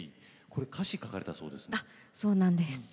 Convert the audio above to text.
これ、歌詞を書かれたそうですね。